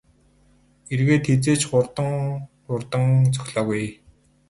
Эргээд хэзээ ч хурдан хурдан цохилоогүй ээ.